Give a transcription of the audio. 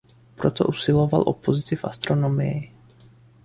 Proto usiloval o pozici v astronomii.